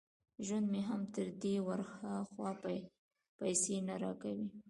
ژوند مې هم تر دې ور ها خوا پیسې نه را کوي